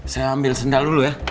saya ambil sendal dulu ya